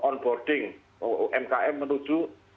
on boarding umkm menunjukkan